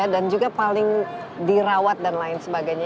dan juga paling dirawat dan lain sebagainya